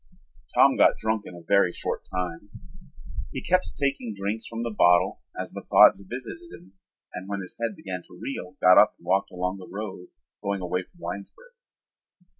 Tom got drunk in a very short time. He kept taking drinks from the bottle as the thoughts visited him and when his head began to reel got up and walked along the road going away from Winesburg.